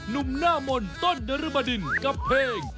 หนุ่มหน้ามนต์ต้นนรบดินกับเพลง